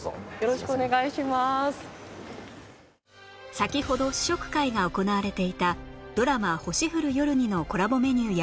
先ほど試食会が行われていたドラマ『星降る夜に』のコラボメニューや